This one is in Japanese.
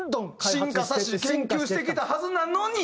進化させて研究してきたはずなのに。